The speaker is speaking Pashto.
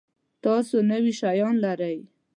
تاسو نوي شیان لرئ؟